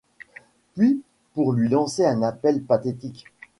Puis pour lui lancer un appel pathétique.